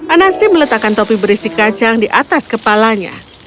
anansi meletakkan topi berisi kacang di atas kepalanya